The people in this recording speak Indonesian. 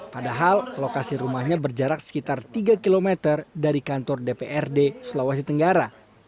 padahal lokasi rumahnya berjarak sekitar tiga km dari kantor dprd sulawesi tenggara